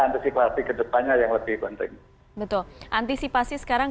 antisipasi ke depannya yang lebih penting